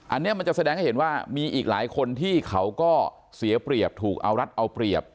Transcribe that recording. อันนี้มันจะแสดงให้เห็นว่ามีอีกหลายคนที่เขาก็เสียเปรียบถูกเอารัฐเอาเปรียบ